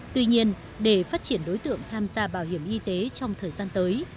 tuy nhiên để phát triển đối tượng tham gia bảo hiểm y tế trong thời gian tới